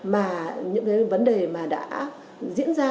mà những vấn đề đã diễn ra